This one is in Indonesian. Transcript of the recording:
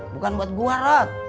bukan buat gue rat